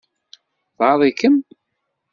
Tɣaḍ-ikem?